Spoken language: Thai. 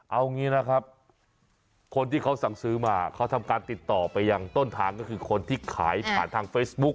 เอางี้นะครับคนที่เขาสั่งซื้อมาเขาทำการติดต่อไปยังต้นทางก็คือคนที่ขายผ่านทางเฟซบุ๊ค